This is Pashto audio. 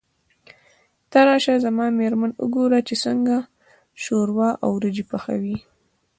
ته راشه زما مېرمن وګوره چې څنګه شوروا او وريجې پخوي.